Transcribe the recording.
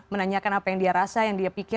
menanyakan apa yang dia rasa yang dia pikir